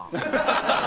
ハハハハ！